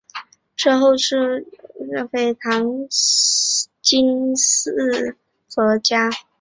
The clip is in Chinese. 之后出仕于丰前小仓的细川家及肥前唐津寺泽家。